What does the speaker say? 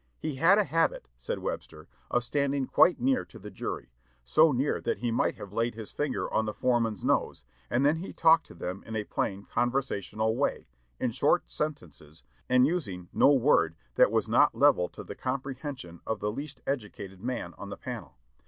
"He had a habit," said Webster, "of standing quite near to the jury, so near that he might have laid his finger on the foreman's nose; and then he talked to them in a plain conversational way, in short sentences, and using no word that was not level to the comprehension of the least educated man on the panel.